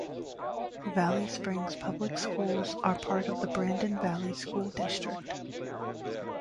Valley Springs Public Schools are part of the Brandon Valley School District.